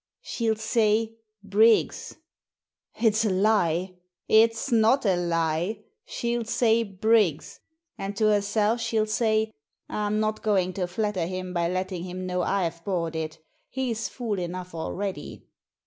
"She'll say 'Briggs.'" "Ifsalie!" "It's not a lie. She'll say 'Brii^s.' And to herself she'll say, ' I'm not going to flatter him by letting him know I've bought it He's fool enough already.'"